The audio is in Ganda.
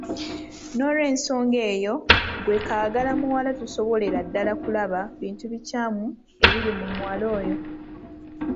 N'olwensonga eyo ggwe kaagala muwala tosobolera ddala kulaba bintu bikyamu ebiri ku muwala oyo.